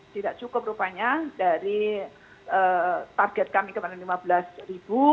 tidak cukup rupanya dari target kami kemarin lima belas ribu